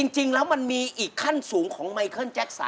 จริงแล้วมันมีอีกขั้นสูงของไมเคิลแจ็ค๓